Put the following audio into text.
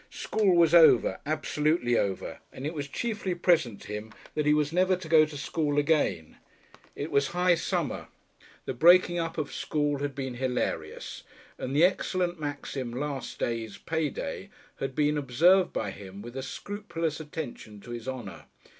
School was over, absolutely over, and it was chiefly present to him that he was never to go to school again. It was high summer. The "breaking up" of school had been hilarious; and the excellent maxim, "Last Day's Pay Day," had been observed by him with a scrupulous attention to his honour.